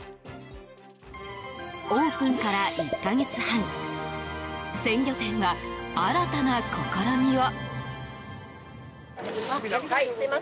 オープンから１か月半鮮魚店は、新たな試みを。